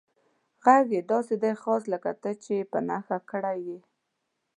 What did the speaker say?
غږ یې داسې دی، خاص لکه ته چې یې په نښه کړی یې.